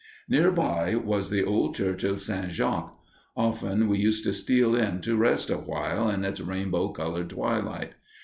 Near by was the old church of St. Jacques. Often we used to steal in to rest awhile in its rainbow colored twilight.